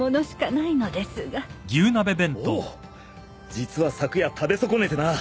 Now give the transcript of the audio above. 実は昨夜食べ損ねてな。